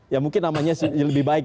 ya mungkin namanya lebih baik